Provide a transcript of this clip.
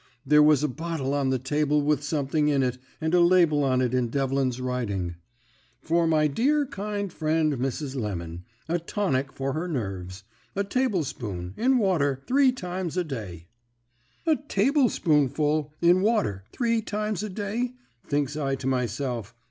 There was a bottle on the table with something in it, and a label on it in Devlin's writing "For my dear kind friend, Mrs. Lemon. A tonic for her nerves. A tablespoonful, in water, three times a day.' "'A tablespoonful, in water, three times a day,' thinks I to myself.